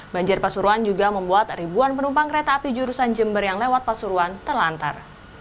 banjir pasuruan juga membuat ribuan penumpang kereta api jurusan jember yang lewat pasuruan terlantar